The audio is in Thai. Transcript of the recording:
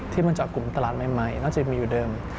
ที่มันเจาะกลุ่มตลาดใหม่น่าจะมีอยู่เดิม